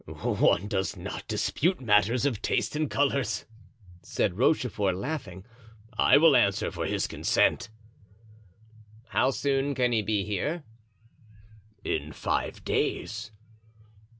"One must not dispute matters of taste and colors," said Rochefort, laughing. "I answer for his consent." "How soon can he be here?" "In five days."